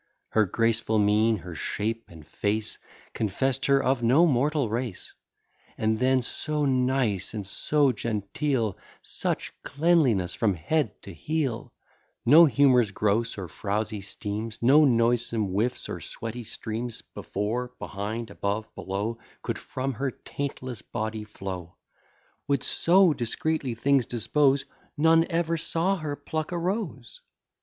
Her graceful mien, her shape, and face, Confess'd her of no mortal race: And then so nice, and so genteel; Such cleanliness from head to heel; No humours gross, or frouzy steams, No noisome whiffs, or sweaty streams, Before, behind, above, below, Could from her taintless body flow: Would so discreetly things dispose, None ever saw her pluck a rose.